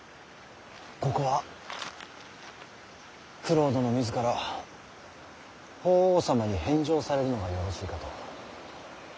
ここは九郎殿自ら法皇様に返上されるのがよろしいかと。